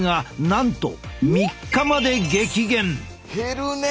減るねえ！